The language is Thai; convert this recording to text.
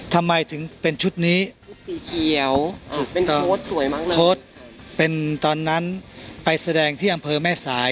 ทำไมถึงเป็นชุดนี้ชุดเป็นโค้ดสวยมั้งเป็นตอนนั้นไปแสดงที่อัมเภอแม่สาย